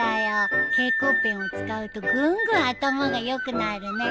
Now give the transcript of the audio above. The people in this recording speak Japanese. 蛍光ペンを使うとぐんぐん頭が良くなるね。